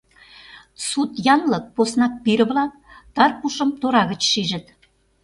Сут янлык, поснак пире-влак, тар пушым тора гыч шижыт.